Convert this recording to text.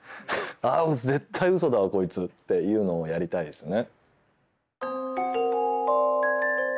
あ絶対嘘だわこいつっていうのをやりたいですよね。